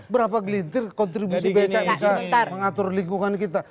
berapa gelintir kontribusi becak bisa mengatur lingkungan kita